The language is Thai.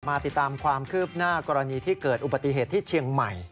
มาติดตามความคืบหน้ากรณีที่เกิดอุบัติเหตุที่เชียงใหม่